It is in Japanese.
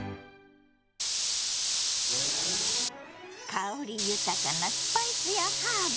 香り豊かなスパイスやハーブ。